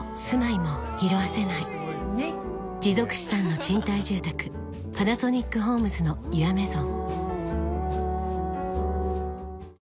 持続資産の賃貸住宅「パナソニックホームズのユアメゾン」